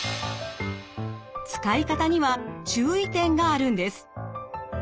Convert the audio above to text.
使い方には注意点があるんです。